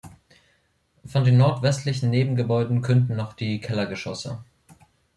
Von den nordwestlichen Nebengebäuden künden noch die Kellergeschosse.